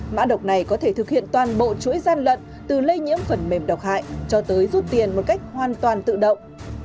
mã độc này có thể thực hiện toàn bộ chuỗi gian lận từ lây nhiễm phần mềm độc hại cho tới rút tiền một cách hoàn toàn tự động